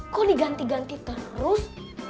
kok diganti ganti terus